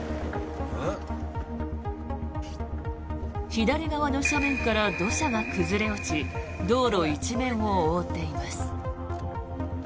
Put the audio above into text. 左側の斜面から土砂が崩れ落ち道路一面を覆っています。